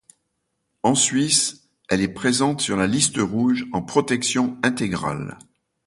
En Suisse, elle est présente sur la Liste rouge en protection intégrale.